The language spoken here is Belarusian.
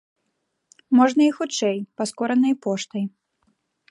Можна і хутчэй, паскоранай поштай.